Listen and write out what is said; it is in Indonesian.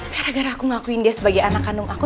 gara gara aku ngakuin dia sebagai anak kandung aku